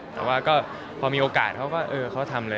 แต่ว่าก็พอมีโอกาสเขาก็เออเขาทำเลย